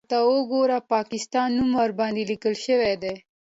_ورته وګوره! د پاکستان نوم ورباندې ليکل شوی دی.